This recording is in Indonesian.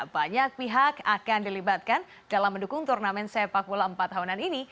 banyak pihak akan dilibatkan dalam mendukung turnamen sepak bola empat tahunan ini